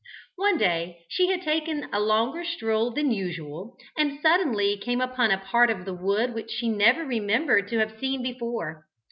One day she had taken a longer stroll than usual, and suddenly came upon a part of the wood which she never remembered to have seen before.